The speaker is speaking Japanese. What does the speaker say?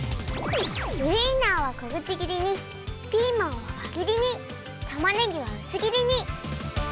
ウインナーはこぐちぎりにピーマンはわぎりにたまねぎはうすぎりに。